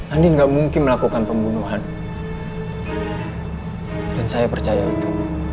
andi tidak mungkin melakukan pembunuhan dan saya percaya itu